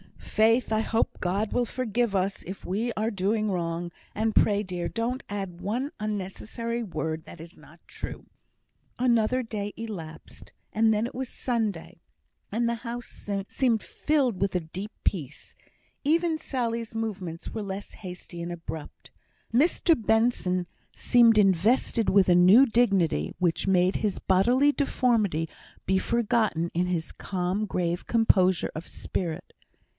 "Faith! I hope God will forgive us if we are doing wrong; and pray, dear, don't add one unnecessary word that is not true." Another day elapsed, and then it was Sunday; and the house seemed filled with a deep peace. Even Sally's movements were less hasty and abrupt. Mr Benson seemed invested with a new dignity, which made his bodily deformity be forgotten in his calm, grave composure of spirit.